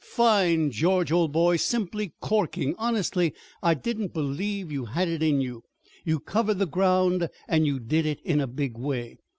"Fine, George, old boy simply corking! Honestly, I didn't believe you had it in you. You covered the ground and you did it in a big way.